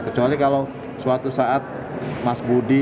kecuali kalau suatu saat mas budi